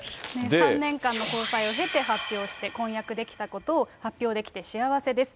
３年間の交際を経て発表して、婚約できたことを発表できて幸せです。